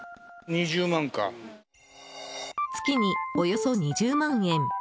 月におよそ２０万円。